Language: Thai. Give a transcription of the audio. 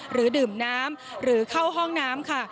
หรือดื่มน้ำหรือเข้าห้องน้ำค่ะ